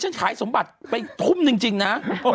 ฉันขายสมบัติไปทุ่มจริงนะ